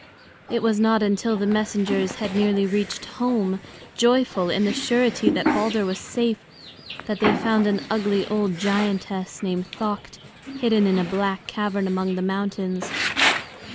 It was not until the messengers had nearly reached home, joyful in the surety that Balder was safe, that they found an ugly old giantess named Thökt hidden in a black cavern among the mountains.